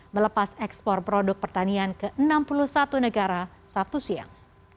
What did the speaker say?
melepas ekspor produk pertanian ke enam puluh satu negara sabtu siang